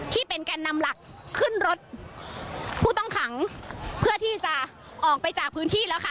แกนนำหลักขึ้นรถผู้ต้องขังเพื่อที่จะออกไปจากพื้นที่แล้วค่ะ